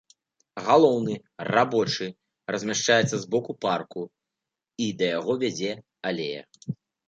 Галоўны, рабочы, размяшчаецца з боку парку, і да яго вядзе алея.